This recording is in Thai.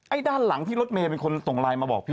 ด้านหลังพี่รถเมย์เป็นคนส่งไลน์มาบอกพี่